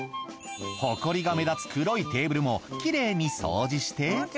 ホコリが目立つ黒いテーブルもきれいに掃除して。